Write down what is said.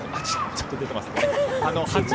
ちょっと出てますけどね。